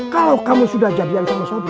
kalau kamu sudah jadian sama sama